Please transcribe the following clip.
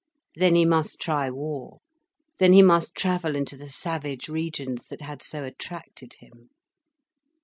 Then he must try war. Then he must travel into the savage regions that had so attracted him.